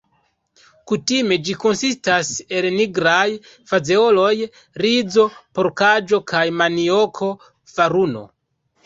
Kutime ĝi konsistas el nigraj fazeoloj, rizo, porkaĵo kaj manioko-faruno.